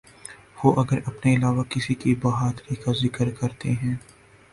وہ اگر اپنے علاوہ کسی کی بہادری کا ذکر کرتے ہیں۔